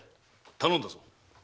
頼んだぞ。